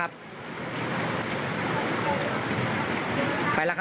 โอ่งไปแล้ว